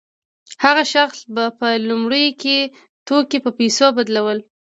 هغه شخص به په لومړیو کې توکي په پیسو بدلول